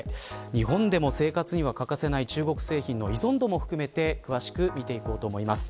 日本でも生活には欠かせない中国製品の依存度も含めて詳しく見ていこうと思います。